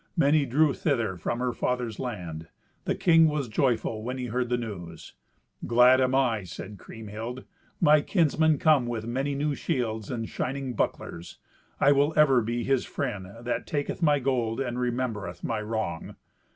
Many drew thither from her father's land. The king was joyful when he heard the news. "Glad am I," said Kriemhild, "my kinsmen come with many new shields and shining bucklers. I will ever be his friend that taketh my gold and remembereth my wrong."